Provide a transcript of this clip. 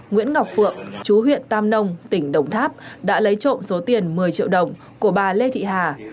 nguyễn ngọc phượng chú huyện tam nông tỉnh đồng tháp đã lấy trộm số tiền một mươi triệu đồng của bà lê thị hà